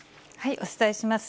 お伝えします。